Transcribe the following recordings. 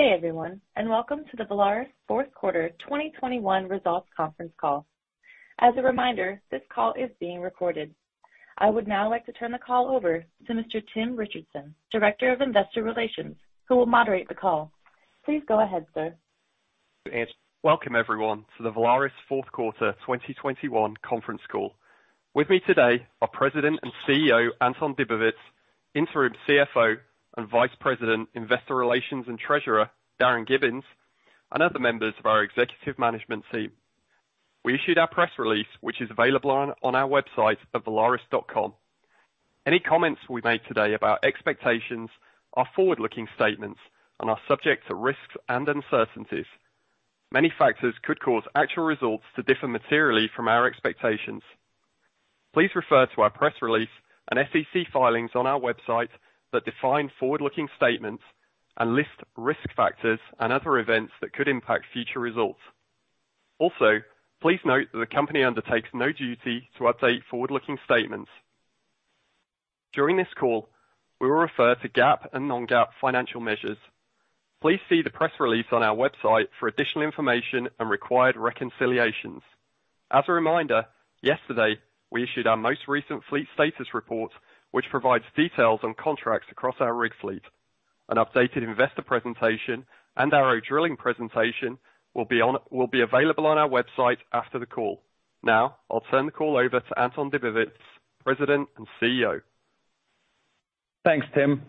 Good day everyone, and welcome to the Valaris fourth quarter 2021 results conference call. As a reminder, this call is being recorded. I would now like to turn the call over to Mr. Anton Dibowitz, President and CEO, who will moderate the call. Please go ahead, sir. Welcome everyone to the Valaris fourth quarter 2021 conference call. With me today are President and CEO Anton Dibowitz, Interim CFO and Vice President, Investor Relations and Treasurer, Darin Gibbins, and other members of our executive management team. We issued our press release, which is available on our website at valaris.com. Any comments we make today about expectations are forward-looking statements and are subject to risks and uncertainties. Many factors could cause actual results to differ materially from our expectations. Please refer to our press release and SEC filings on our website that define forward-looking statements and list risk factors and other events that could impact future results. Also, please note that the company undertakes no duty to update forward-looking statements. During this call, we will refer to GAAP and non-GAAP financial measures. Please see the press release on our website for additional information and required reconciliations. As a reminder, yesterday, we issued our most recent fleet status report, which provides details on contracts across our rig fleet. An updated investor presentation and our drilling presentation will be available on our website after the call. Now, I'll turn the call over to Anton Dibowitz, President and CEO. Thanks, Tim.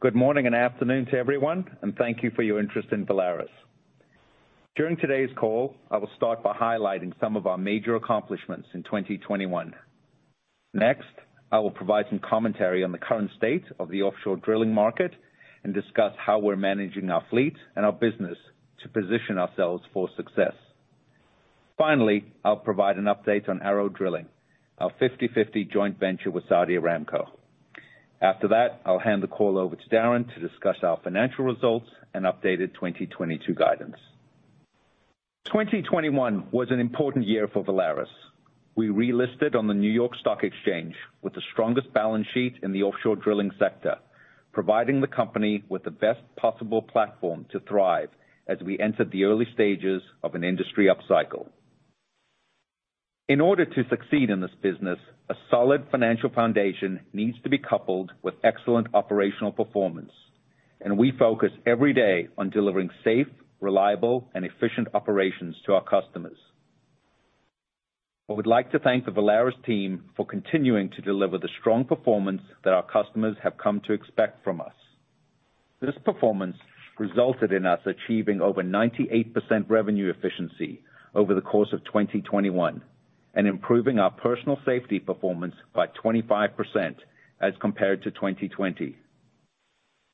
Good morning and afternoon to everyone, and thank you for your interest in Valaris. During today's call, I will start by highlighting some of our major accomplishments in 2021. Next, I will provide some commentary on the current state of the offshore drilling market and discuss how we're managing our fleet and our business to position ourselves for success. Finally, I'll provide an update on ARO Drilling, our 50/50 joint venture with Saudi Aramco. After that, I'll hand the call over to Darin to discuss our financial results and updated 2022 guidance. 2021 was an important year for Valaris. We relisted on the New York Stock Exchange with the strongest balance sheet in the offshore drilling sector, providing the company with the best possible platform to thrive as we entered the early stages of an industry upcycle. In order to succeed in this business, a solid financial foundation needs to be coupled with excellent operational performance, and we focus every day on delivering safe, reliable, and efficient operations to our customers. I would like to thank the Valaris team for continuing to deliver the strong performance that our customers have come to expect from us. This performance resulted in us achieving over 98% revenue efficiency over the course of 2021, and improving our personal safety performance by 25% as compared to 2020.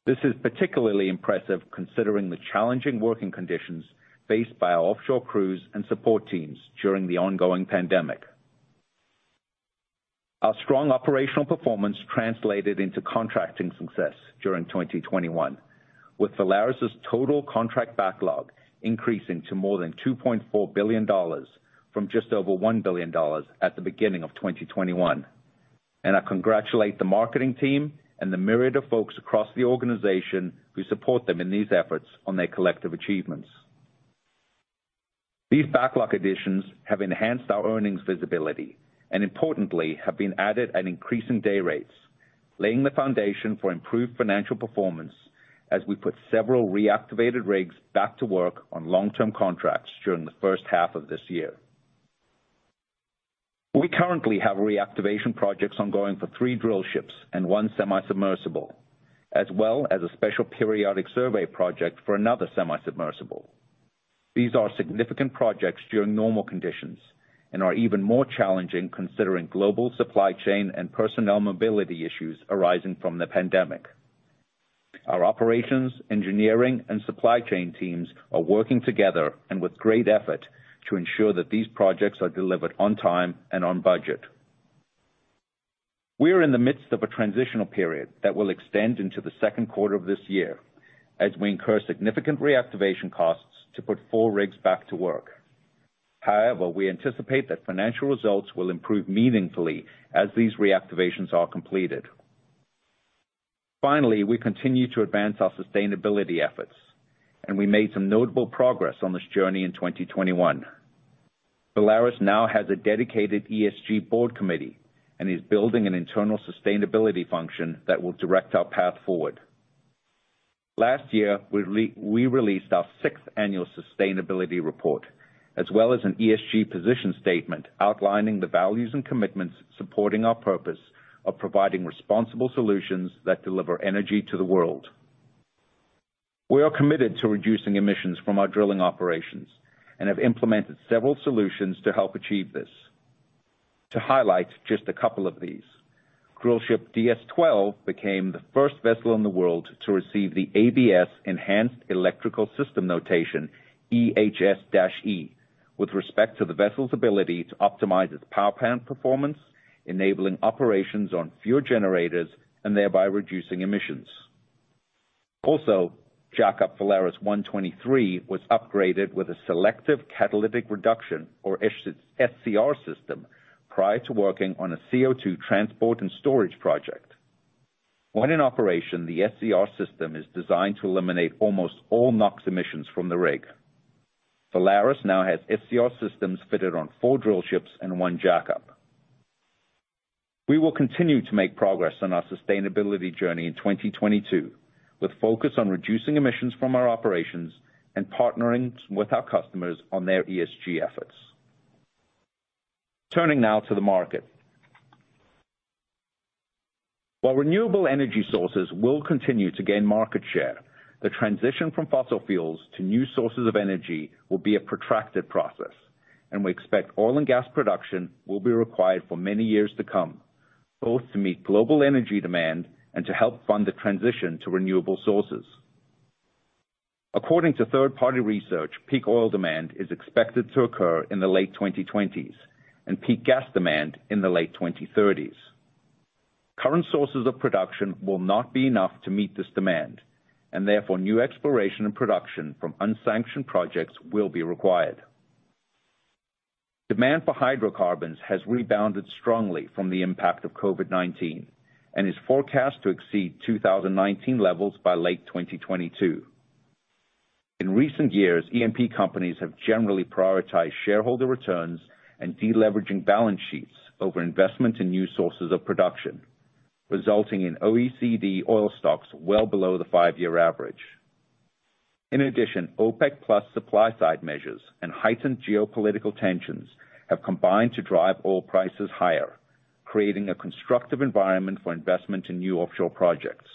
This is particularly impressive considering the challenging working conditions faced by our offshore crews and support teams during the ongoing pandemic. Our strong operational performance translated into contracting success during 2021, with Valaris' total contract backlog increasing to more than $2.4 billion from just over $1 billion at the beginning of 2021. I congratulate the marketing team and the myriad of folks across the organization who support them in these efforts on their collective achievements. These backlog additions have enhanced our earnings visibility and importantly, have been added at increasing day rates, laying the foundation for improved financial performance as we put several reactivated rigs back to work on long-term contracts during the first half of this year. We currently have reactivation projects ongoing for three drillships and one semi-submersible, as well as a special periodic survey project for another semi-submersible. These are significant projects during normal conditions and are even more challenging considering global supply chain and personnel mobility issues arising from the pandemic. Our operations, engineering, and supply chain teams are working together and with great effort to ensure that these projects are delivered on time and on budget. We are in the midst of a transitional period that will extend into the second quarter of this year as we incur significant reactivation costs to put four rigs back to work. However, we anticipate that financial results will improve meaningfully as these reactivations are completed. Finally, we continue to advance our sustainability efforts, and we made some notable progress on this journey in 2021. Valaris now has a dedicated ESG board committee and is building an internal sustainability function that will direct our path forward. Last year, we released our sixth annual sustainability report, as well as an ESG position statement outlining the values and commitments supporting our purpose of providing responsible solutions that deliver energy to the world. We are committed to reducing emissions from our drilling operations and have implemented several solutions to help achieve this. To highlight just a couple of these, drillship DS-12 became the first vessel in the world to receive the ABS Enhanced Electrical System Notation, EHS-E, with respect to the vessel's ability to optimize its power plant performance, enabling operations on fewer generators and thereby reducing emissions. Also, jackup VALARIS 123 was upgraded with a selective catalytic reduction or SCR system prior to working on a CO2 transport and storage project. When in operation, the SCR system is designed to eliminate almost all NOx emissions from the rig. Valaris now has SCR systems fitted on four drillships and one jackup. We will continue to make progress on our sustainability journey in 2022, with focus on reducing emissions from our operations and partnering with our customers on their ESG efforts. Turning now to the market. While renewable energy sources will continue to gain market share, the transition from fossil fuels to new sources of energy will be a protracted process, and we expect oil and gas production will be required for many years to come, both to meet global energy demand and to help fund the transition to renewable sources. According to third-party research, peak oil demand is expected to occur in the late 2020s, and peak gas demand in the late 2030s. Current sources of production will not be enough to meet this demand, and therefore new exploration and production from unsanctioned projects will be required. Demand for hydrocarbons has rebounded strongly from the impact of COVID-19 and is forecast to exceed 2019 levels by late 2022. In recent years, E&P companies have generally prioritized shareholder returns and deleveraging balance sheets over investment in new sources of production, resulting in OECD oil stocks well below the five-year average. In addition, OPEC+ supply-side measures and heightened geopolitical tensions have combined to drive oil prices higher, creating a constructive environment for investment in new offshore projects.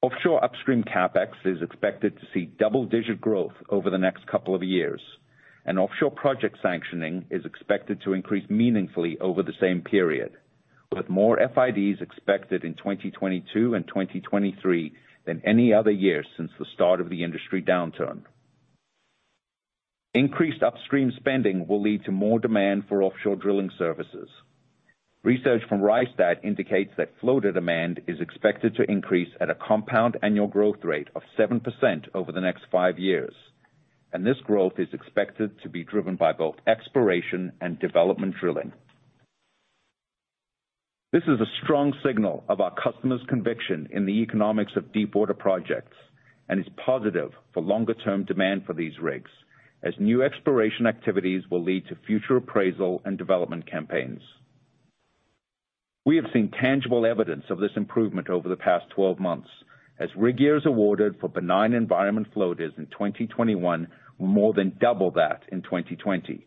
Offshore upstream CapEx is expected to see double-digit growth over the next couple of years, and offshore project sanctioning is expected to increase meaningfully over the same period, with more FIDs expected in 2022 and 2023 than any other year since the start of the industry downturn. Increased upstream spending will lead to more demand for offshore drilling services. Research from Rystad indicates that floater demand is expected to increase at a compound annual growth rate of 7% over the next five years, and this growth is expected to be driven by both exploration and development drilling. This is a strong signal of our customers' conviction in the economics of deepwater projects. It is positive for longer-term demand for these rigs, as new exploration activities will lead to future appraisal and development campaigns. We have seen tangible evidence of this improvement over the past 12 months, as rig years awarded for benign environment floaters in 2021 more than double that in 2020,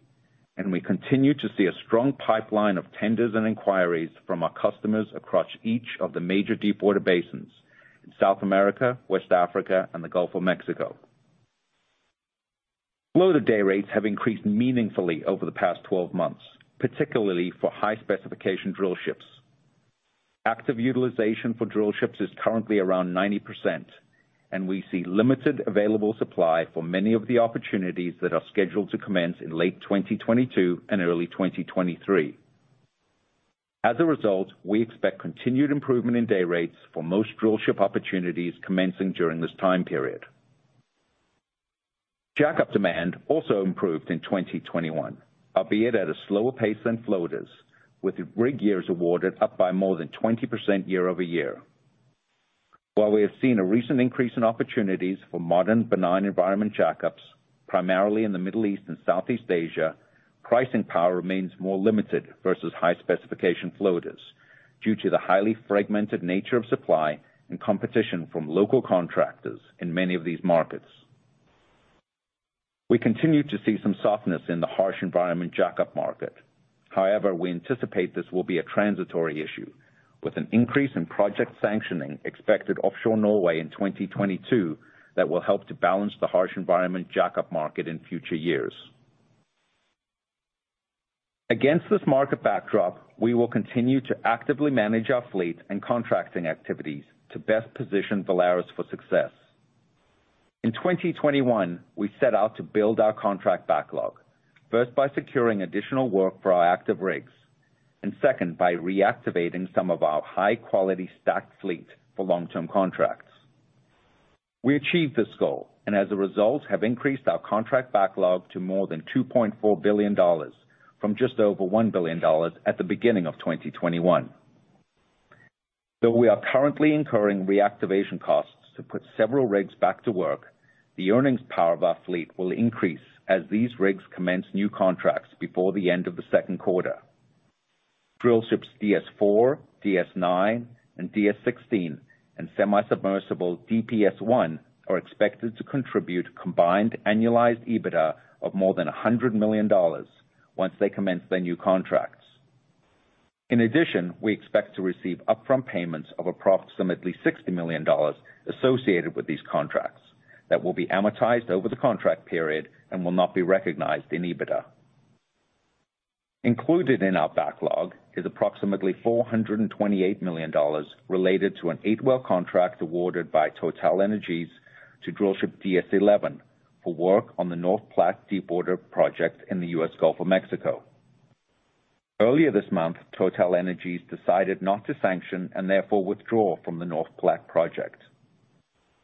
and we continue to see a strong pipeline of tenders and inquiries from our customers across each of the major deepwater basins in South America, West Africa, and the Gulf of Mexico. Floater day rates have increased meaningfully over the past 12 months, particularly for high-specification drill ships. Active utilization for drill ships is currently around 90%, and we see limited available supply for many of the opportunities that are scheduled to commence in late 2022 and early 2023. As a result, we expect continued improvement in day rates for most drill ship opportunities commencing during this time period. Jackup demand also improved in 2021, albeit at a slower pace than floaters, with rig years awarded up by more than 20% year-over-year. While we have seen a recent increase in opportunities for modern benign environment jackups, primarily in the Middle East and Southeast Asia, pricing power remains more limited versus high-specification floaters due to the highly fragmented nature of supply and competition from local contractors in many of these markets. We continue to see some softness in the harsh environment jackup market. However, we anticipate this will be a transitory issue with an increase in project sanctioning expected offshore Norway in 2022 that will help to balance the harsh environment jackup market in future years. Against this market backdrop, we will continue to actively manage our fleet and contracting activities to best position Valaris for success. In 2021, we set out to build our contract backlog, first by securing additional work for our active rigs, and second by reactivating some of our high-quality stacked fleet for long-term contracts. We achieved this goal, and as a result, have increased our contract backlog to more than $2.4 billion from just over $1 billion at the beginning of 2021. Though we are currently incurring reactivation costs to put several rigs back to work, the earnings power of our fleet will increase as these rigs commence new contracts before the end of the second quarter. Drillships DS-4, DS-9, and DS-16, and semisubmersible DPS-1 are expected to contribute combined annualized EBITDA of more than $100 million once they commence their new contracts. In addition, we expect to receive upfront payments of approximately $60 million associated with these contracts that will be amortized over the contract period and will not be recognized in EBITDA. Included in our backlog is approximately $428 million related to an eight-well contract awarded by TotalEnergies to drillship DS-11 for work on the North Platte deepwater project in the U.S. Gulf of Mexico. Earlier this month, TotalEnergies decided not to sanction and therefore withdraw from the North Platte project.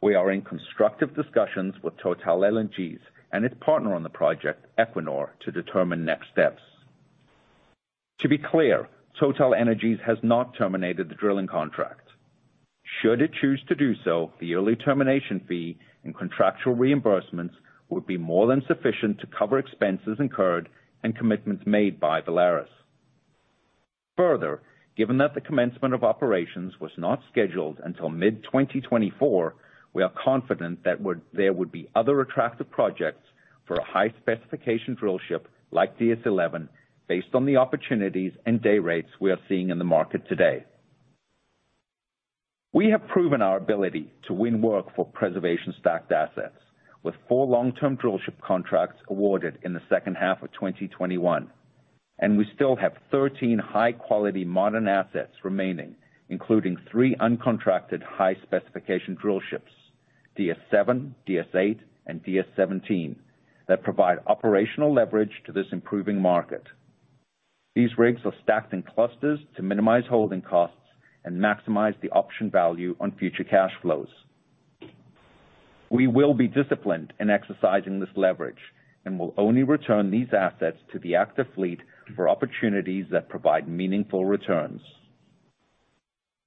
We are in constructive discussions with TotalEnergies and its partner on the project, Equinor, to determine next steps. To be clear, TotalEnergies has not terminated the drilling contract. Should it choose to do so, the early termination fee and contractual reimbursements would be more than sufficient to cover expenses incurred and commitments made by Valaris. Further, given that the commencement of operations was not scheduled until mid-2024, we are confident there would be other attractive projects for a high-specification drillship like DS-11 based on the opportunities and day rates we are seeing in the market today. We have proven our ability to win work for preservation stacked assets, with four long-term drillship contracts awarded in the second half of 2021, and we still have 13 high-quality modern assets remaining, including three uncontracted high-specification drillships, DS-7, DS-8, and DS-17, that provide operational leverage to this improving market. These rigs are stacked in clusters to minimize holding costs and maximize the option value on future cash flows. We will be disciplined in exercising this leverage and will only return these assets to the active fleet for opportunities that provide meaningful returns.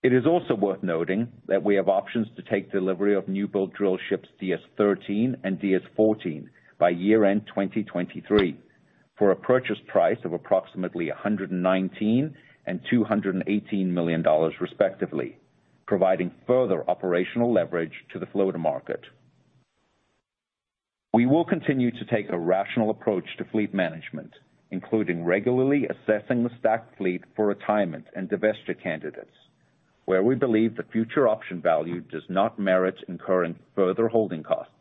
It is also worth noting that we have options to take delivery of new-build drillships DS-13 and DS-14 by year-end 2023 for a purchase price of approximately $119 million and $218 million respectively, providing further operational leverage to the floater market. We will continue to take a rational approach to fleet management, including regularly assessing the stacked fleet for retirement and divestiture candidates, where we believe the future option value does not merit incurring further holding costs.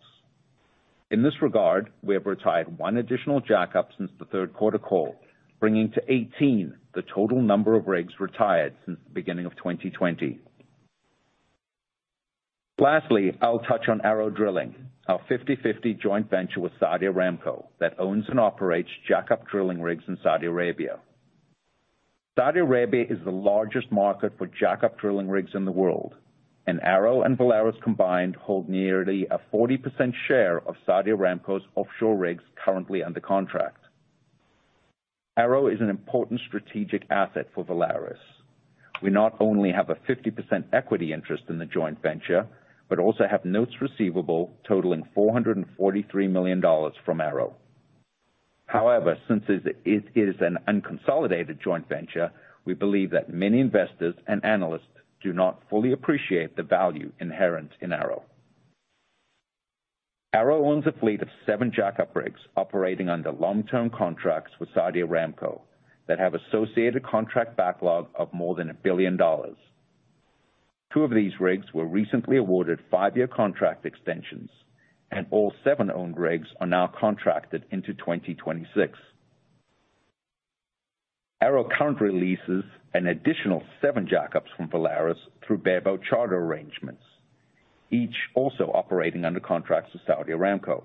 In this regard, we have retired one additional jackup since the third quarter call, bringing to 18 the total number of rigs retired since the beginning of 2020. Lastly, I'll touch on ARO Drilling, our 50/50 joint venture with Saudi Aramco that owns and operates jackup drilling rigs in Saudi Arabia. Saudi Arabia is the largest market for jackup drilling rigs in the world, and ARO and Valaris combined hold nearly a 40% share of Saudi Aramco's offshore rigs currently under contract. ARO is an important strategic asset for Valaris. We not only have a 50% equity interest in the joint venture, but also have notes receivable totaling $443 million from ARO. However, since it is an unconsolidated joint venture, we believe that many investors and analysts do not fully appreciate the value inherent in ARO. ARO owns a fleet of seven jackup rigs operating under long-term contracts with Saudi Aramco that have associated contract backlog of more than $1 billion. Two of these rigs were recently awarded five-year contract extensions, and all seven owned rigs are now contracted into 2026. ARO currently leases an additional seven jackups from Valaris through bareboat charter arrangements, each also operating under contracts with Saudi Aramco.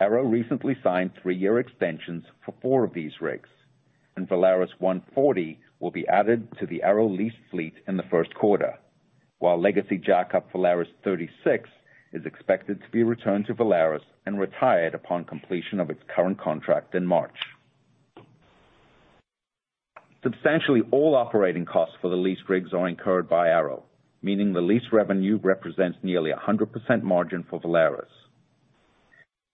ARO recently signed three-year extensions for four of these rigs, and VALARIS 140 will be added to the ARO leased fleet in the first quarter, while legacy jack-up VALARIS 36 is expected to be returned to Valaris and retired upon completion of its current contract in March. Substantially all operating costs for the leased rigs are incurred by ARO, meaning the lease revenue represents nearly a 100% margin for Valaris.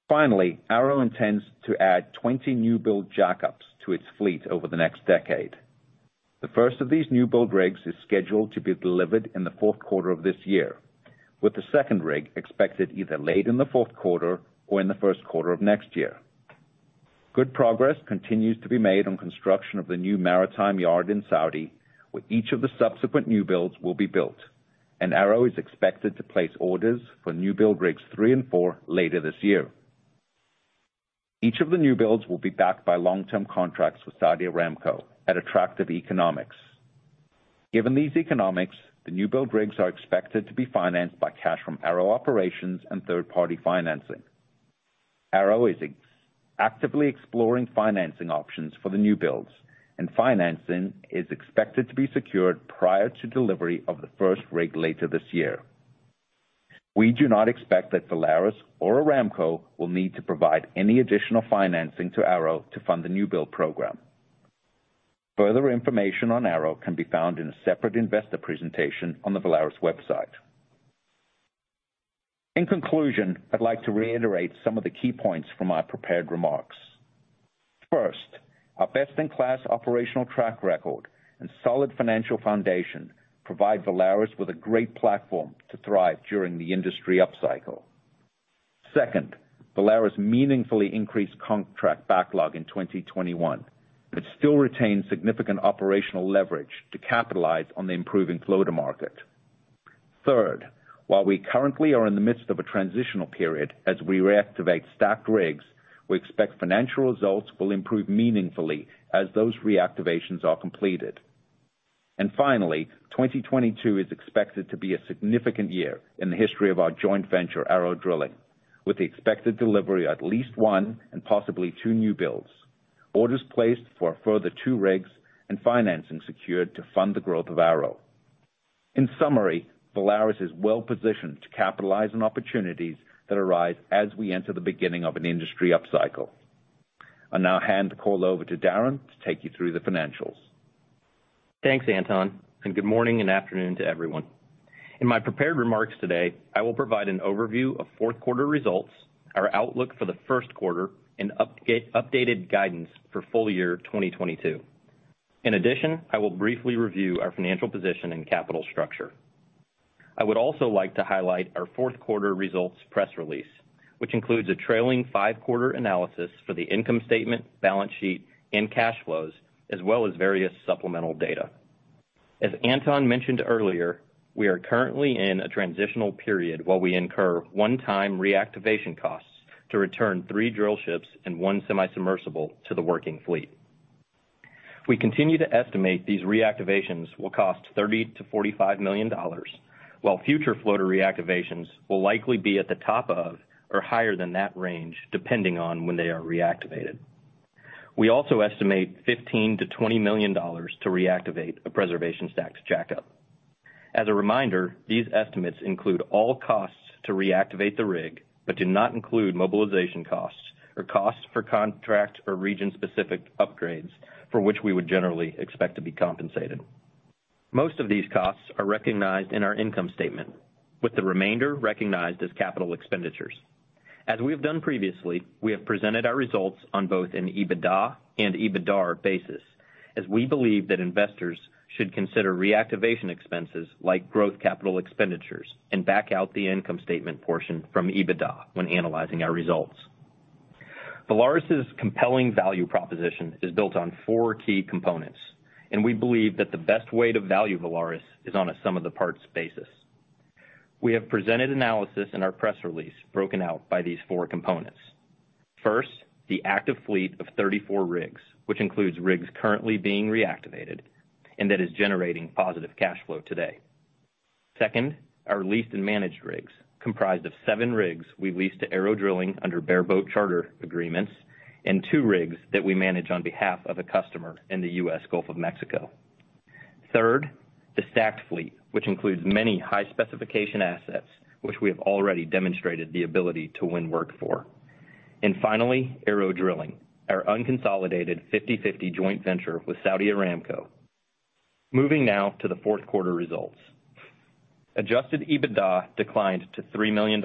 Finally, ARO intends to add 20 new-build jack-ups to its fleet over the next decade. The first of these new-build rigs is scheduled to be delivered in the fourth quarter of this year, with the second rig expected either late in the fourth quarter or in the first quarter of next year. Good progress continues to be made on construction of the new maritime yard in Saudi, where each of the subsequent new builds will be built, and ARO is expected to place orders for new-build rigs three and four later this year. Each of the new builds will be backed by long-term contracts with Saudi Aramco at attractive economics. Given these economics, the new-build rigs are expected to be financed by cash from ARO operations and third-party financing. ARO is actively exploring financing options for the new builds and financing is expected to be secured prior to delivery of the first rig later this year. We do not expect that Valaris or Aramco will need to provide any additional financing to ARO to fund the new-build program. Further information on ARO can be found in a separate investor presentation on the Valaris website. In conclusion, I'd like to reiterate some of the key points from my prepared remarks. First, our best-in-class operational track record and solid financial foundation provide Valaris with a great platform to thrive during the industry upcycle. Second, Valaris meaningfully increased contract backlog in 2021, but still retains significant operational leverage to capitalize on the improving floater market. Third, while we currently are in the midst of a transitional period as we reactivate stacked rigs, we expect financial results will improve meaningfully as those reactivations are completed. Finally, 2022 is expected to be a significant year in the history of our joint venture, ARO Drilling, with the expected delivery of at least one and possibly two new builds. Orders placed for a further two rigs and financing secured to fund the growth of ARO. In summary, Valaris is well-positioned to capitalize on opportunities that arise as we enter the beginning of an industry upcycle. I'll now hand the call over to Darin to take you through the financials. Thanks, Anton, and good morning and afternoon to everyone. In my prepared remarks today, I will provide an overview of fourth quarter results, our outlook for the first quarter, and updated guidance for full year 2022. In addition, I will briefly review our financial position and capital structure. I would also like to highlight our fourth quarter results press release, which includes a trailing five-quarter analysis for the income statement, balance sheet and cash flows, as well as various supplemental data. As Anton mentioned earlier, we are currently in a transitional period while we incur one-time reactivation costs to return three drillships and one semi-submersible to the working fleet. We continue to estimate these reactivations will cost $30 million-$45 million, while future floater reactivations will likely be at the top of or higher than that range depending on when they are reactivated. We also estimate $15 million-$20 million to reactivate a preservation stacked jackup. As a reminder, these estimates include all costs to reactivate the rig, but do not include mobilization costs or costs for contract or region-specific upgrades, for which we would generally expect to be compensated. Most of these costs are recognized in our income statement, with the remainder recognized as capital expenditures. As we have done previously, we have presented our results on both an EBITDA and EBITDAR basis, as we believe that investors should consider reactivation expenses like growth capital expenditures and back out the income statement portion from EBITDA when analyzing our results. Valaris' compelling value proposition is built on four key components, and we believe that the best way to value Valaris is on a sum of the parts basis. We have presented analysis in our press release broken out by these four components. First, the active fleet of 34 rigs, which includes rigs currently being reactivated and that is generating positive cash flow today. Second, our leased and managed rigs comprised of seven rigs we lease to ARO Drilling under bare boat charter agreements and two rigs that we manage on behalf of a customer in the U.S. Gulf of Mexico. Third, the stacked fleet, which includes many high-specification assets, which we have already demonstrated the ability to win work for. Finally, ARO Drilling, our unconsolidated 50/50 joint venture with Saudi Aramco. Moving now to the fourth quarter results. Adjusted EBITDA declined to $3 million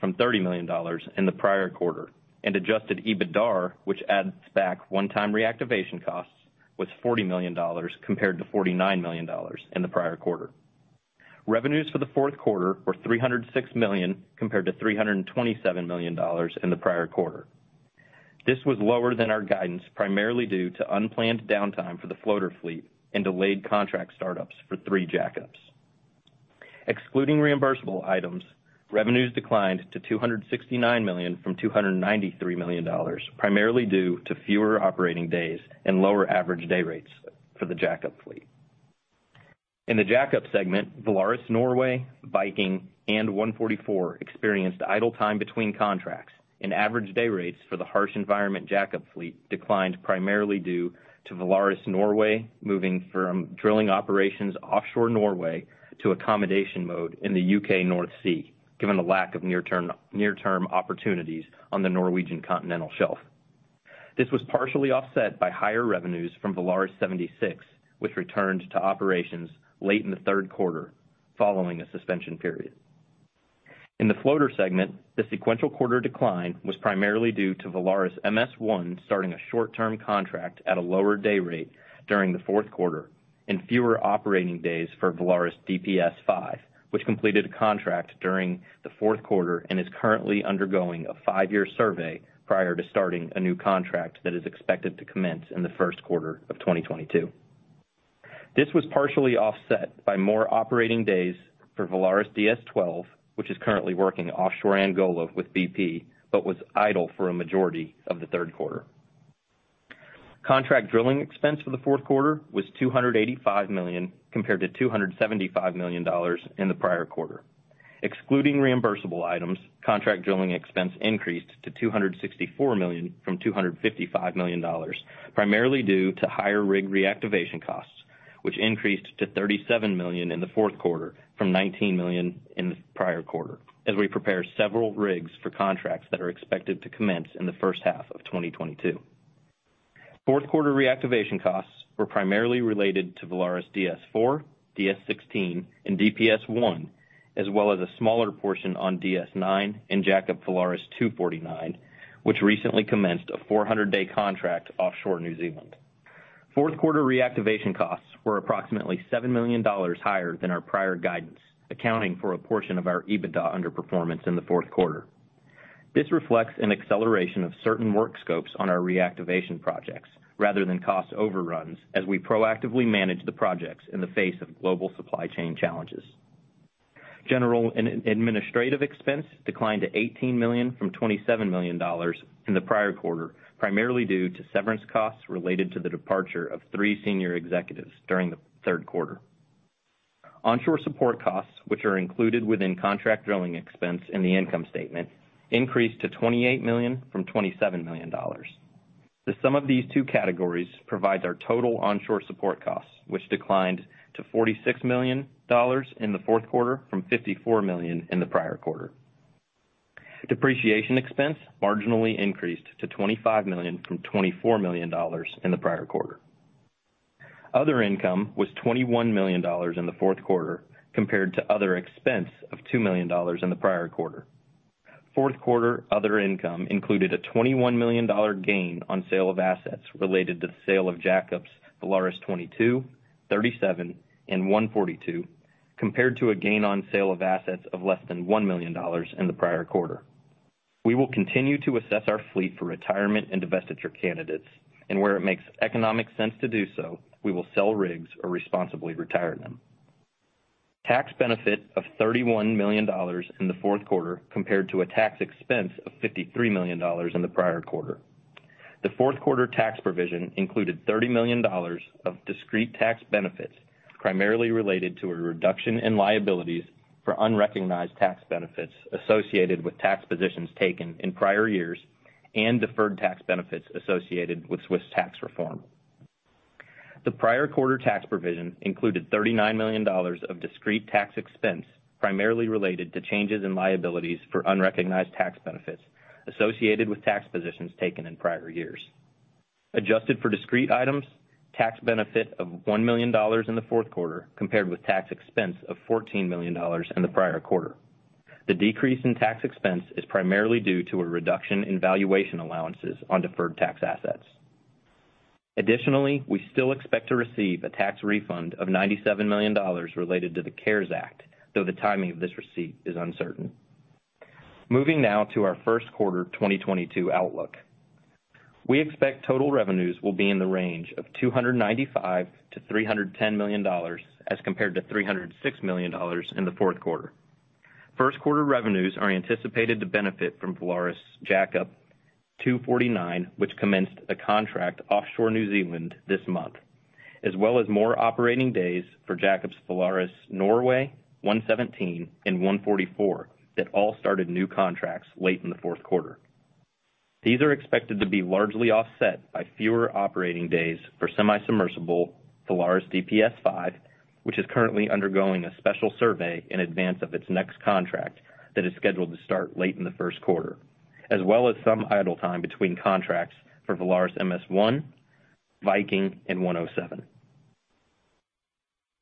from $30 million in the prior quarter, and adjusted EBITDAR, which adds back one-time reactivation costs, was $40 million compared to $49 million in the prior quarter. Revenues for the fourth quarter were $306 million compared to $327 million in the prior quarter. This was lower than our guidance, primarily due to unplanned downtime for the floater fleet and delayed contract startups for three jackups. Excluding reimbursable items, revenues declined to $269 million from $293 million, primarily due to fewer operating days and lower average day rates for the jackup fleet. In the jackup segment, VALARIS Norway, VALARIS Viking, and VALARIS 144 experienced idle time between contracts and average day rates for the harsh environment jackup fleet declined primarily due to VALARIS Norway moving from drilling operations offshore Norway to accommodation mode in the U.K. North Sea, given the lack of near term opportunities on the Norwegian continental shelf. This was partially offset by higher revenues from VALARIS 76, which returned to operations late in the third quarter following a suspension period. In the floater segment, the sequential quarter decline was primarily due to VALARIS MS-1starting a short-term contract at a lower day rate during the fourth quarter and fewer operating days forValaris DPS-5, which completed a contract during the fourth quarter and is currently undergoing a five-year survey prior to starting a new contract that is expected to commence in the first quarter of 2022. This was partially offset by more operating days for VALARIS DS-12, which is currently working offshore Angola with BP, but was idle for a majority of the third quarter. Contract drilling expense for the fourth quarter was $285 million compared to $275 million in the prior quarter. Excluding reimbursable items, contract drilling expense increased to $264 million from $255 million, primarily due to higher rig reactivation costs, which increased to 37 million in the fourth quarter from 19 million in the prior quarter as we prepare several rigs for contracts that are expected to commence in the first half of 2022. Fourth quarter reactivation costs were primarily related to VALARIS DS-4, DS-16, and VALARIS DPS-1, as well as a smaller portion on DS-9 and VALARIS 249, which recently commenced a 400-day contract offshore New Zealand. Fourth quarter reactivation costs were approximately $7 million higher than our prior guidance, accounting for a portion of our EBITDA underperformance in the fourth quarter. This reflects an acceleration of certain work scopes on our reactivation projects rather than cost overruns as we proactively manage the projects in the face of global supply chain challenges. General and Administrative expense declined to $18 million from $27 million in the prior quarter, primarily due to severance costs related to the departure of three senior executives during the third quarter. Onshore support costs, which are included within contract drilling expense in the income statement, increased to $28 million from $27 million. The sum of these two categories provides our total onshore support costs, which declined to $46 million in the fourth quarter from $54 million in the prior quarter. Depreciation expense marginally increased to $25 million from $24 million in the prior quarter. Other income was $21 million in the fourth quarter compared to other expense of $2 million in the prior quarter. Fourth quarter other income included a $21 million gain on sale of assets related to the sale of VALARIS 22, 37, and 142 compared to a gain on sale of assets of less than $1 million in the prior quarter. We will continue to assess our fleet for retirement and divestiture candidates, and where it makes economic sense to do so, we will sell rigs or responsibly retire them. Tax benefit of $31 million in the fourth quarter compared to a tax expense of $53 million in the prior quarter. The fourth quarter tax provision included $30 million of discrete tax benefits, primarily related to a reduction in liabilities for unrecognized tax benefits associated with tax positions taken in prior years and deferred tax benefits associated with Swiss tax reform. The prior quarter tax provision included $39 million of discrete tax expense, primarily related to changes in liabilities for unrecognized tax benefits associated with tax positions taken in prior years. Adjusted for discrete items, a tax benefit of $1 million in the fourth quarter compared with tax expense of $14 million in the prior quarter. The decrease in tax expense is primarily due to a reduction in valuation allowances on deferred tax assets. Additionally, we still expect to receive a tax refund of $97 million related to the CARES Act, though the timing of this receipt is uncertain. Moving now to our first quarter 2022 outlook. We expect total revenues will be in the range of $295 million-$310 million as compared to $306 million in the fourth quarter. First quarter revenues are anticipated to benefit from Valaris jackup 249, which commenced a contract offshore New Zealand this month, as well as more operating days for jackups VALARIS Norway, 117 and 144 that all started new contracts late in the fourth quarter. These are expected to be largely offset by fewer operating days for semi-submersible VALARIS DPS-5, which is currently undergoing a special survey in advance of its next contract that is scheduled to start late in the first quarter, as well as some idle time between contracts for VALARIS MS-1, VALARIS Viking, and VALARIS 107.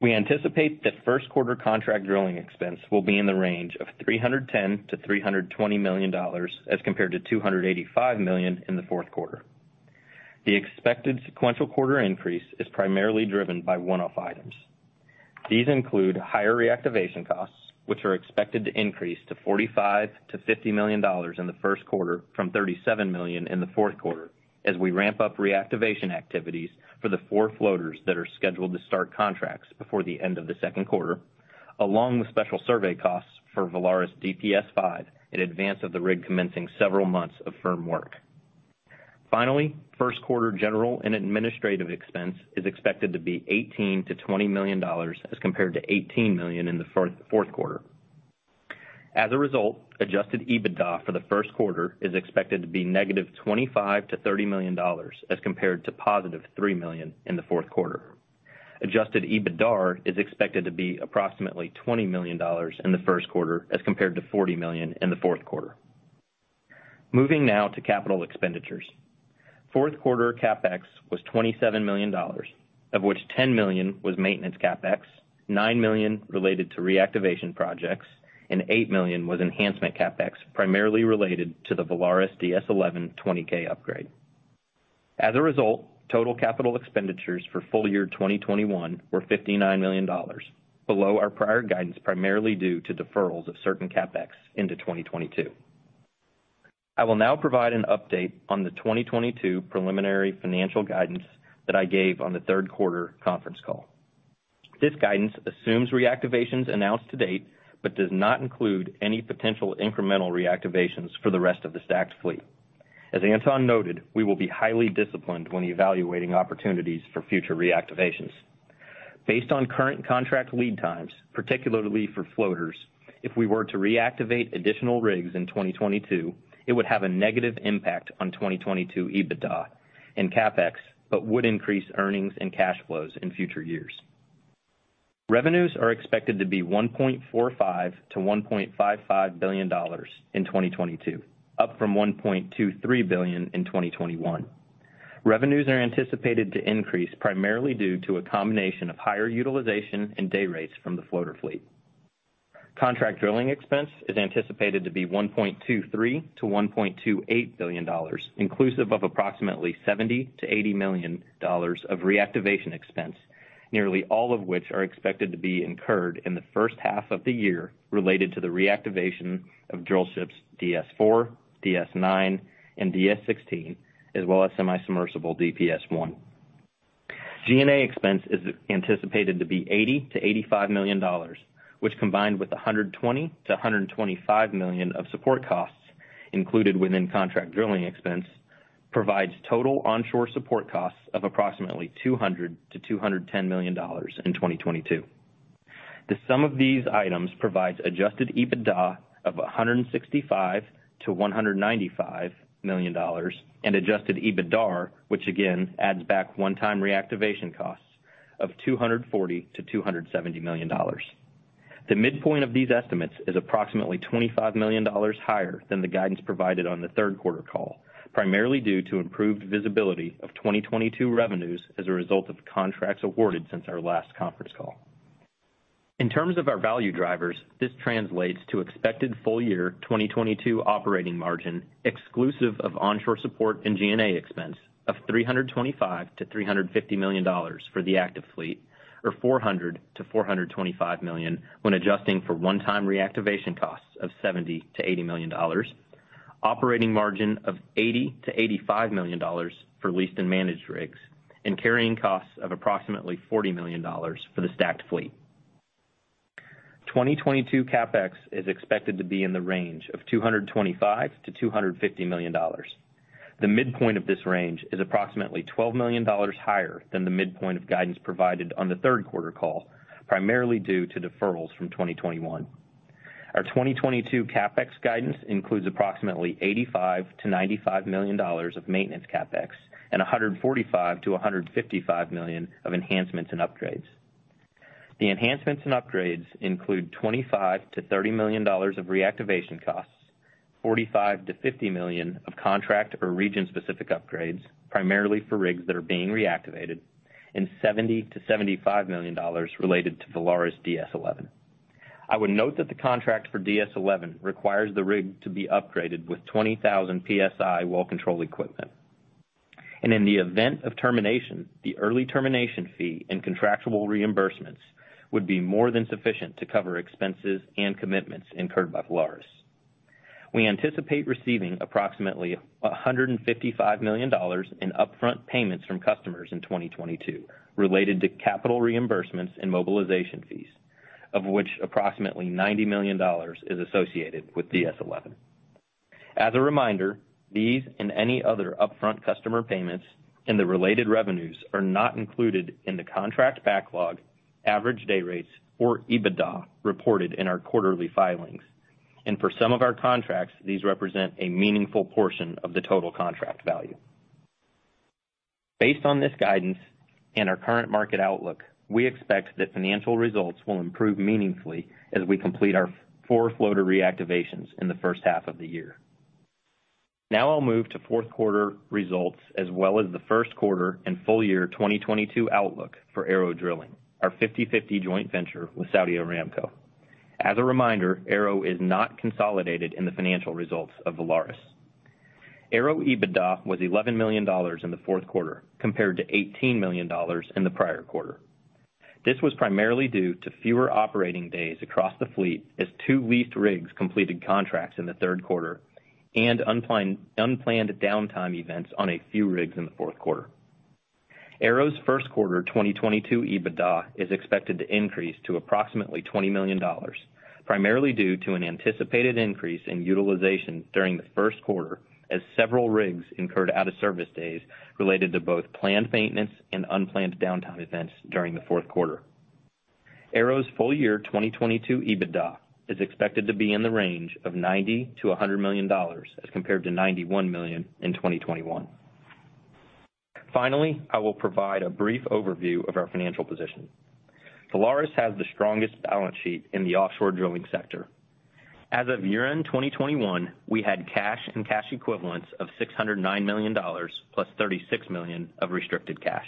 We anticipate that first quarter contract drilling expense will be in the range of $310 million-$320 million as compared to $285 million in the fourth quarter. The expected sequential quarter increase is primarily driven by one-off items. These include higher reactivation costs, which are expected to increase to $45 million-$50 million in the first quarter from $37 million in the fourth quarter as we ramp up reactivation activities for the four floaters that are scheduled to start contracts before the end of the second quarter, along with special survey costs for VALARIS DPS-5 in advance of the rig commencing several months of firm work. Finally, first quarter general and administrative expense is expected to be $18 million-$20 million as compared to $18 million in the fourth quarter. As a result, adjusted EBITDA for the first quarter is expected to be -$25 million-$30 million as compared to $3 million in the fourth quarter. Adjusted EBITDAR is expected to be approximately $20 million in the first quarter as compared to $40 million in the fourth quarter. Moving now to capital expenditures. Fourth quarter CapEx was $27 million, of which $10 million was maintenance CapEx, 9 million related to reactivation projects, and 8 million was enhancement CapEx, primarily related to the VALARIS DS-11 20,000 PSI upgrade. As a result, total capital expenditures for full year 2021 were $59 million below our prior guidance, primarily due to deferrals of certain CapEx into 2022. I will now provide an update on the 2022 preliminary financial guidance that I gave on the third quarter conference call. This guidance assumes reactivations announced to date, but does not include any potential incremental reactivations for the rest of the stacked fleet. As Anton noted, we will be highly disciplined when evaluating opportunities for future reactivations. Based on current contract lead times, particularly for floaters, if we were to reactivate additional rigs in 2022, it would have a negative impact on 2022 EBITDA and CapEx, but would increase earnings and cash flows in future years. Revenues are expected to be $1.45 billion-$1.55 billion in 2022, up from 1.23 billion in 2021. Revenues are anticipated to increase primarily due to a combination of higher utilization and day rates from the floater fleet. Contract drilling expense is anticipated to be $1.23 billion-$1.28 billion inclusive of approximately $70 million-$80 million of reactivation expense, nearly all of which are expected to be incurred in the first half of the year related to the reactivation of drillships DS-4, DS-9, and DS-16, as well as semi-submersible DPS-1. G&A expense is anticipated to be $80 million-$85 million, which combined with $120 million-$125 million of support costs included within contract drilling expense provides total onshore support costs of approximately $200 million-$210 million in 2022. The sum of these items provides adjusted EBITDA of $165 million-$195 million and adjusted EBITDAR, which again adds back one-time reactivation costs of $240 million-$270 million. The midpoint of these estimates is approximately $25 million higher than the guidance provided on the third quarter call, primarily due to improved visibility of 2022 revenues as a result of contracts awarded since our last conference call. In terms of our value drivers, this translates to expected full year 2022 operating margin exclusive of onshore support and G&A expense of $325 million-$350 million for the active fleet, or $400 million-$425 million when adjusting for one-time reactivation costs of $70 million-$80 million. Operating margin of $80 million-$85 million for leased and managed rigs, and carrying costs of approximately $40 million for the stacked fleet. 2022 CapEx is expected to be in the range of $225 million-$250 million. The midpoint of this range is approximately $12 million higher than the midpoint of guidance provided on the third quarter call, primarily due to deferrals from 2021. Our 2022 CapEx guidance includes approximately $85 million-$95 million of maintenance CapEx and $145 million-$155 million of enhancements and upgrades. The enhancements and upgrades include $25 million-$30 million of reactivation costs, $45 million-$50 million of contract or region-specific upgrades, primarily for rigs that are being reactivated, and $70 million-$75 million related to VALARIS DS-11. I would note that the contract for DS-11 requires the rig to be upgraded with 20,000 PSI well control equipment. In the event of termination, the early termination fee and contractual reimbursements would be more than sufficient to cover expenses and commitments incurred by Valaris. We anticipate receiving approximately $155 million in upfront payments from customers in 2022 related to capital reimbursements and mobilization fees, of which approximately $90 million is associated with DS-11. As a reminder, these and any other upfront customer payments and the related revenues are not included in the contract backlog, average day rates, or EBITDA reported in our quarterly filings. For some of our contracts, these represent a meaningful portion of the total contract value. Based on this guidance and our current market outlook, we expect that financial results will improve meaningfully as we complete our 4 floater reactivations in the first half of the year. Now I'll move to fourth quarter results as well as the first quarter and full year 2022 outlook for ARO Drilling, our 50/50 joint venture with Saudi Aramco. As a reminder, ARO is not consolidated in the financial results of Valaris. ARO EBITDA was $11 million in the fourth quarter compared to $18 million in the prior quarter. This was primarily due to fewer operating days across the fleet as 2 leased rigs completed contracts in the third quarter and unplanned downtime events on a few rigs in the fourth quarter. ARO's first quarter 2022 EBITDA is expected to increase to approximately $20 million, primarily due to an anticipated increase in utilization during the first quarter as several rigs incurred out of service days related to both planned maintenance and unplanned downtime events during the fourth quarter. ARO's full year 2022 EBITDA is expected to be in the range of $90 million-$100 million as compared to $91 million in 2021. Finally, I will provide a brief overview of our financial position. Valaris has the strongest balance sheet in the offshore drilling sector. As of year-end 2021, we had cash and cash equivalents of $609 million plus $36 million of restricted cash.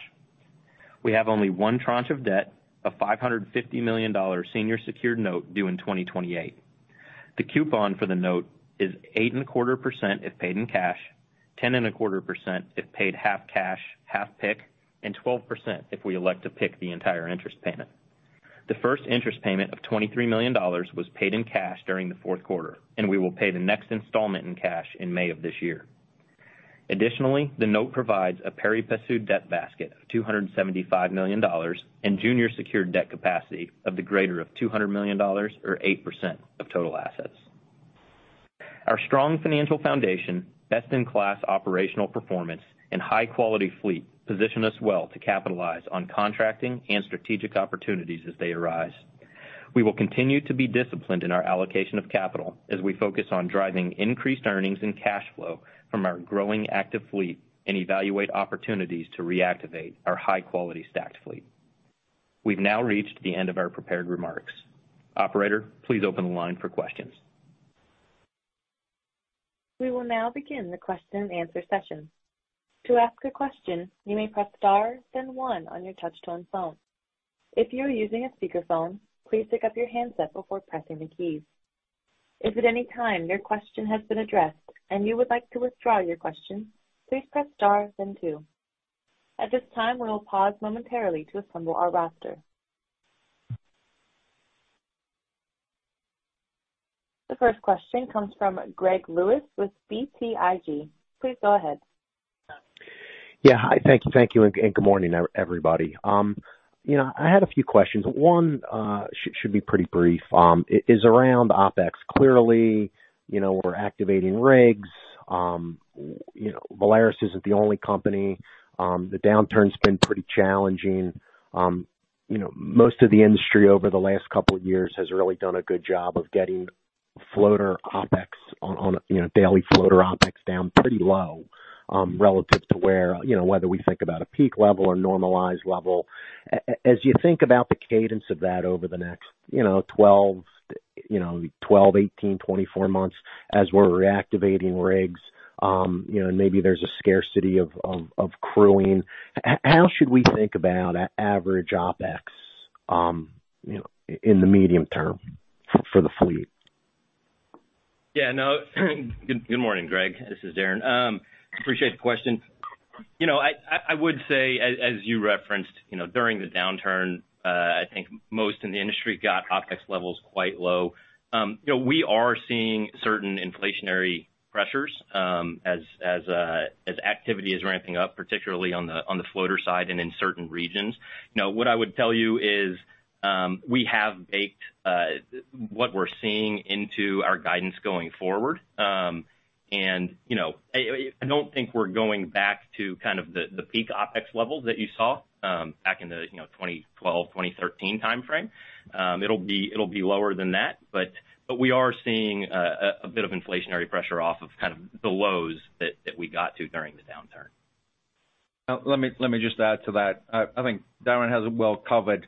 We have only one tranche of debt, a $550 million senior secured note due in 2028. The coupon for the note is 8.25% if paid in cash, 10.25% if paid half cash, half PIK, and 12% if we elect to PIK the entire interest payment. The first interest payment of $23 million was paid in cash during the fourth quarter, and we will pay the next installment in cash in May of this year. Additionally, the note provides a pari passu debt basket of $275 million and junior secured debt capacity of the greater of $200 million or 8% of total assets. Our strong financial foundation, best-in-class operational performance, and high-quality fleet position us well to capitalize on contracting and strategic opportunities as they arise. We will continue to be disciplined in our allocation of capital as we focus on driving increased earnings and cash flow from our growing active fleet and evaluate opportunities to reactivate our high-quality stacked fleet. We've now reached the end of our prepared remarks. Operator, please open the line for questions. We will now begin the question and answer session. To ask a question, you may press star then one on your touch-tone phone. If you are using a speakerphone, please pick up your handset before pressing the keys. If at any time your question has been addressed and you would like to withdraw your question, please press star then two. At this time, we will pause momentarily to assemble our roster. The first question comes from Gregory Lewis with BTIG. Please go ahead. Yeah. Hi. Thank you and good morning, everybody. You know, I had a few questions. One should be pretty brief, is around OpEx. Clearly, you know, we're activating rigs. You know, Valaris isn't the only company. The downturn's been pretty challenging. You know, most of the industry over the last couple of years has really done a good job of getting floater OpEx on daily floater OpEx down pretty low, relative to where, whether we think about a peak level or normalized level. As you think about the cadence of that over the next, you know, 12, 18, 24 months as we're reactivating rigs, you know, maybe there's a scarcity of crewing, how should we think about an average OpEx, you know, in the medium term for the fleet? Yeah, no. Good morning, Greg. This is Darin. Appreciate the question. You know, I would say as you referenced, you know, during the downturn, I think most in the industry got OpEx levels quite low. You know, we are seeing certain inflationary pressures, as activity is ramping up, particularly on the floater side and in certain regions. You know, what I would tell you is, we have baked what we're seeing into our guidance going forward. You know, I don't think we're going back to kind of the peak OpEx levels that you saw, back in the 2012, 2013 timeframe. It'll be lower than that, but we are seeing a bit of inflationary pressure off of kind of the lows that we got to during the downturn. Let me just add to that. I think Darin has it well covered.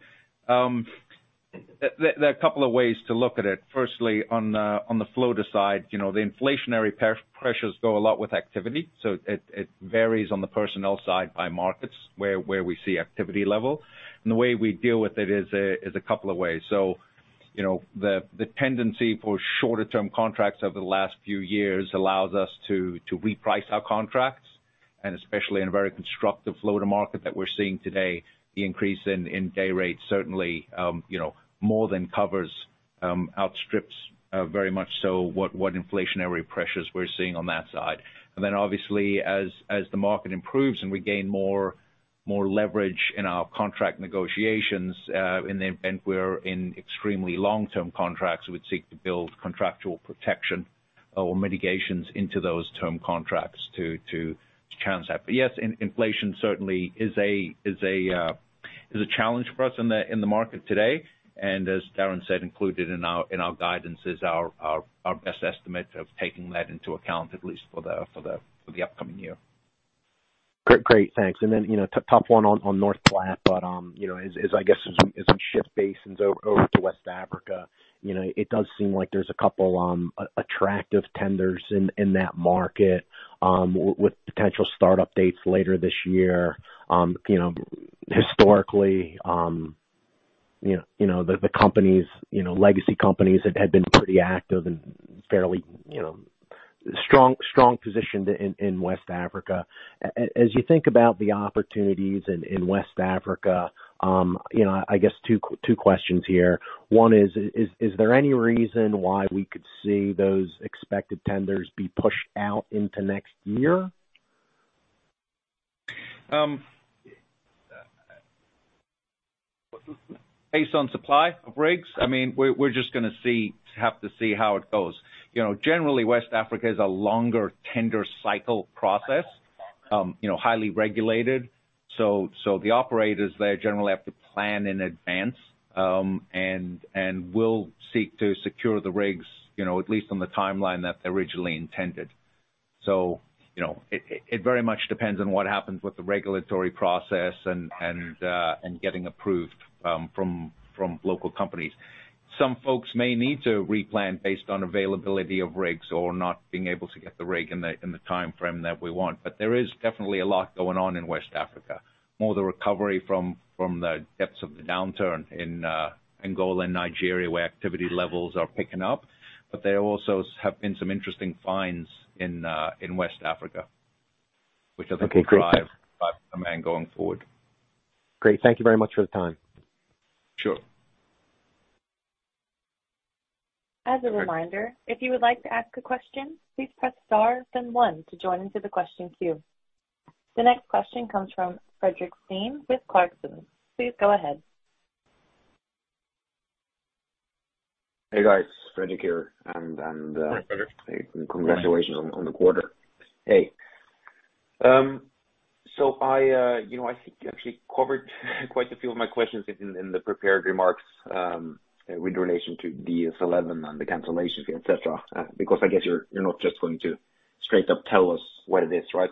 There are a couple of ways to look at it. Firstly, on the floater side, you know, the inflationary pressures go a lot with activity, so it varies on the personnel side by markets where we see activity level. The way we deal with it is a couple of ways. You know, the tendency for shorter term contracts over the last few years allows us to reprice our contracts, and especially in a very constructive floater market that we're seeing today, the increase in day rates certainly, you know, more than covers, outstrips very much so what inflationary pressures we're seeing on that side. Then obviously as the market improves and we gain more leverage in our contract negotiations, in the event we're in extremely long-term contracts, we'd seek to build contractual protection or mitigations into those term contracts to counter that. But yes, inflation certainly is a challenge for us in the market today. As Darin said, included in our guidance is our best estimate of taking that into account at least for the upcoming year. Great. Thanks. You know, top one on North Platte, but you know, as I guess as we shift basins over to West Africa, you know, it does seem like there's a couple attractive tenders in that market with potential startup dates later this year. You know, historically, you know, the companies, legacy companies had been pretty active and fairly, you know, strong positioned in West Africa. As you think about the opportunities in West Africa, you know, I guess two questions here. One is there any reason why we could see those expected tenders be pushed out into next year? Based on supply of rigs, I mean, we're just gonna have to see how it goes. You know, generally, West Africa is a longer tender cycle process, you know, highly regulated. So the operators there generally have to plan in advance, and will seek to secure the rigs, you know, at least on the timeline that they originally intended. You know, it very much depends on what happens with the regulatory process and getting approved from local companies. Some folks may need to replan based on availability of rigs or not being able to get the rig in the timeframe that we want. There is definitely a lot going on in West Africa. More the recovery from the depths of the downturn in Angola and Nigeria, where activity levels are picking up. There also have been some interesting finds in West Africa, which I think will drive. Okay, great. Thanks. demand going forward. Great. Thank you very much for the time. Sure. As a reminder, if you would like to ask a question, please press star then one to join into the question queue. The next question comes from Fredrik Stene with Clarksons. Please go ahead. Hey, guys. Fredrik here and Hi, Fredrik. Congratulations on the quarter. Hey. You know, I think you actually covered quite a few of my questions in the prepared remarks with relation to DS-11 and the cancellations, et cetera, because I guess you're not just going to straight up tell us what it is, right?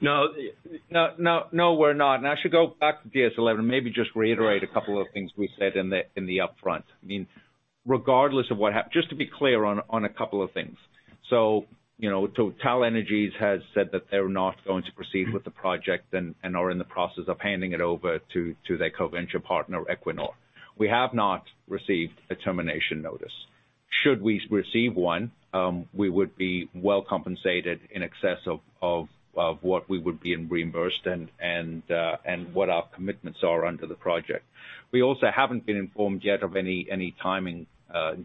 No, we're not. I should go back to DS11 and maybe just reiterate a couple of things we said in the upfront. I mean, regardless of what just to be clear on a couple of things. You know, TotalEnergies has said that they're not going to proceed with the project and are in the process of handing it over to their co-venture partner, Equinor. We have not received a termination notice. Should we receive one, we would be well compensated in excess of what we would be reimbursed and what our commitments are under the project. We also haven't been informed yet of any timing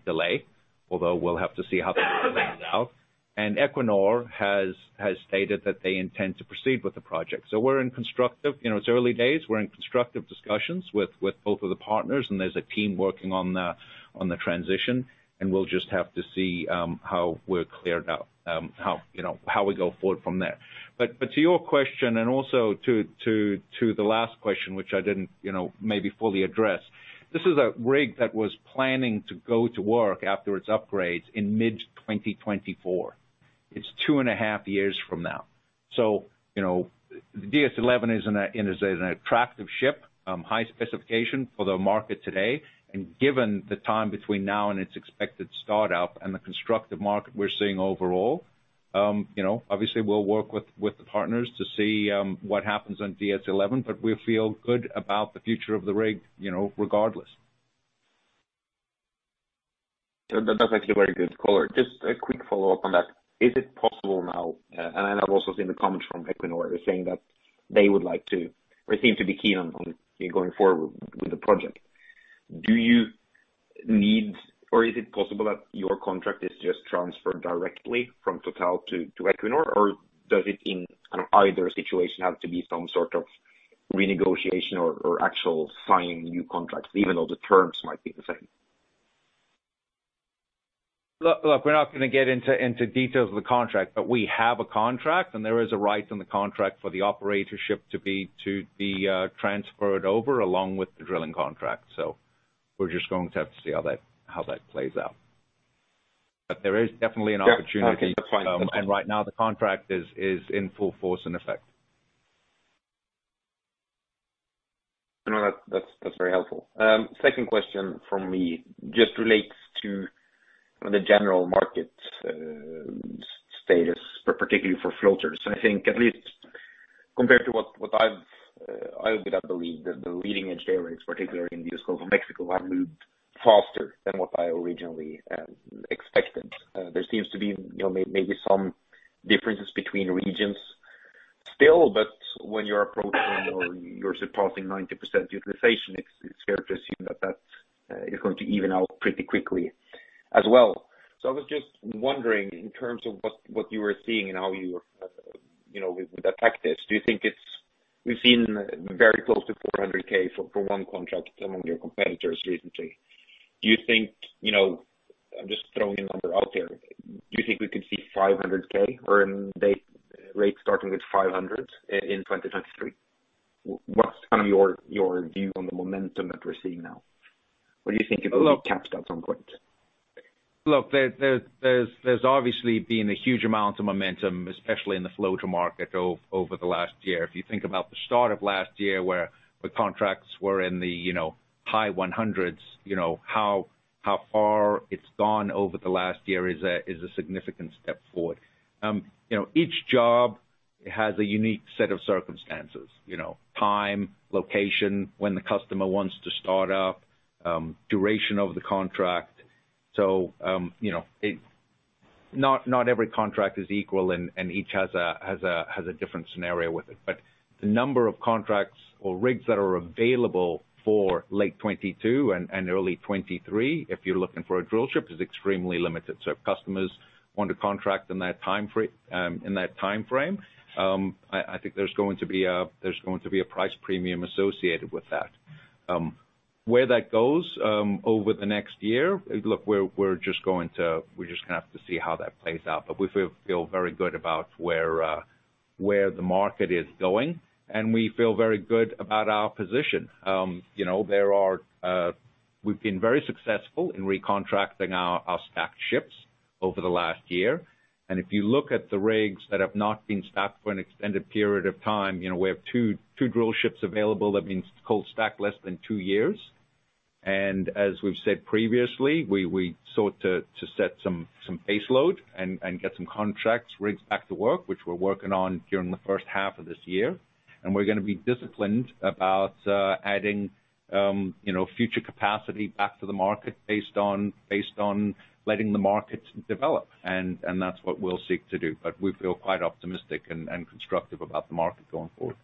delay. Although we'll have to see how that plays out. Equinor has stated that they intend to proceed with the project. We're in constructive... You know, it's early days, we're in constructive discussions with both of the partners, and there's a team working on the transition, and we'll just have to see how we're cleared out, you know, how we go forward from there. To your question and also to the last question, which I didn't, you know, maybe fully address, this is a rig that was planning to go to work after its upgrades in mid-2024. It's two and a half years from now. You know, DS-11 is an attractive ship, high specification for the market today. Given the time between now and its expected start-up and the constructive market we're seeing overall, you know, obviously we'll work with the partners to see what happens on DS-11, but we feel good about the future of the rig, you know, regardless. That's actually very good color. Just a quick follow-up on that. Is it possible now, and I've also seen the comments from Equinor saying that they would like to or seem to be keen on going forward with the project. Do you need or is it possible that your contract is just transferred directly from Total to Equinor, or does it either situation have to be some sort of renegotiation or actual signing new contracts, even though the terms might be the same? Look, we're not gonna get into details of the contract, but we have a contract and there is a right in the contract for the operatorship to be transferred over along with the drilling contract. We're just going to have to see how that plays out. There is definitely an opportunity. Yeah. Okay. That's fine. Right now, the contract is in full force in effect. No, that's very helpful. Second question from me just relates to the general market status, particularly for floaters. I think at least compared to what I've I would believe that the leading edge dayrates, particularly in the Gulf of Mexico, have moved faster than what I originally expected. There seems to be, you know, maybe some differences between regions still, but when you're approaching or you're surpassing 90% utilization, it's fair to assume that is going to even out pretty quickly as well. I was just wondering, in terms of what you were seeing and how you were, you know, would attack this, do you think it's. We've seen very close to $400K for one contract among your competitors recently. Do you think, you know, I'm just throwing a number out there. Do you think we could see $500K per day rates starting with $500K in 2023? What's kind of your view on the momentum that we're seeing now? Or do you think it'll be capped at some point? Look, there's obviously been a huge amount of momentum, especially in the floater market over the last year. If you think about the start of last year where the contracts were in the, you know, high 100s, you know, how far it's gone over the last year is a significant step forward. You know, each job has a unique set of circumstances, you know, time, location, when the customer wants to start up, duration of the contract. You know, not every contract is equal and each has a different scenario with it. The number of contracts or rigs that are available for late 2022 and early 2023, if you're looking for a drillship, is extremely limited. If customers want to contract in that timeframe, I think there's going to be a price premium associated with that. Where that goes over the next year, look, we're just gonna have to see how that plays out. We feel very good about where the market is going, and we feel very good about our position. You know, we've been very successful in recontracting our stacked ships over the last year. If you look at the rigs that have not been stacked for an extended period of time, you know, we have two drillships available that's been cold stacked less than two years. As we've said previously, we sought to set some base load and get some contracts, rigs back to work, which we're working on during the first half of this year. We're gonna be disciplined about adding you know future capacity back to the market based on letting the market develop. That's what we'll seek to do. We feel quite optimistic and constructive about the market going forward.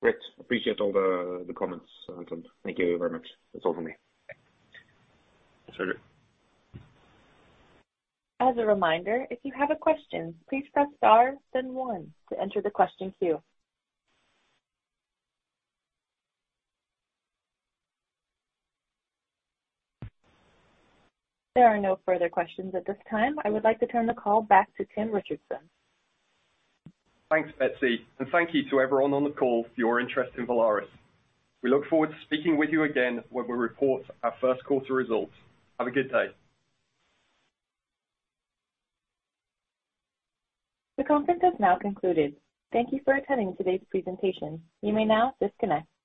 Great. Appreciate all the comments, Tim. Thank you very much. That's all for me. That's very good. As a reminder, if you have a question, please press star then one to enter the question queue. There are no further questions at this time. I would like to turn the call back to Anton Dibowitz. Thanks, Betsy, and thank you to everyone on the call for your interest in Valaris. We look forward to speaking with you again when we report our first quarter results. Have a good day. The conference is now concluded. Thank you for attending today's presentation. You may now disconnect.